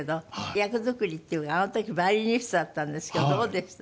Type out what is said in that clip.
役作りっていうかあの時バイオリニストだったんですけどどうでした？